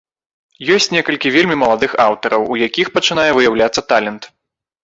Ёсць некалькі вельмі маладых аўтараў, у якіх пачынае выяўляцца талент.